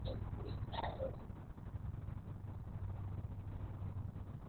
তবে বার্সার অন্য খেলোয়াড়েরা, বিশেষত নেইমার-সুয়ারেজের বাদ পড়াটা একটু চমক জাগাচ্ছে।